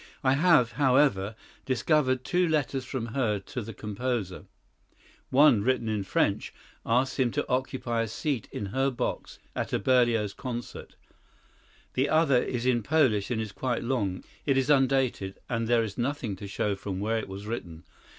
I have, however, discovered two letters from her to the composer. One, written in French, asks him to occupy a seat in her box at a Berlioz concert. The other is in Polish and is quite long. It is undated, and there is nothing to show from where it was written.